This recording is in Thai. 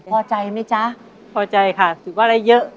พอใจไหมจ๊ะพอใจค่ะถือว่าอะไรเยอะ